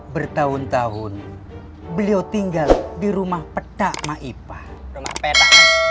bertahun tahun beliau tinggal di rumah petak maipa